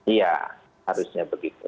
iya harusnya begitu